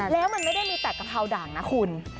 แล้วมันไม่ได้มีแต่กะเพราด่างนะคุณ